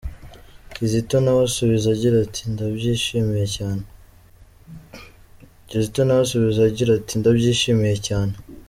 Kizito nawe asubiza agira ati “Ndabyishimiye cyane.”